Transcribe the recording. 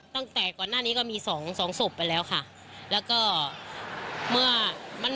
ตั้งแต่ก่อนหน้านี้ก็มีสองสองศพไปแล้วค่ะแล้วก็เมื่อมัน